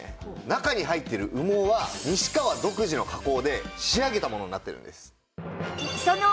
中に入ってる羽毛は西川独自の加工で仕上げたものになってるんです！